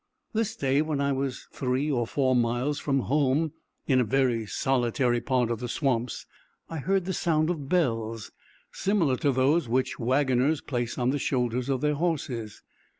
This day, when I was three or four miles from home, in a very solitary part of the swamps, I heard the sound of bells, similar to those which wagoners place on the shoulders of their horses.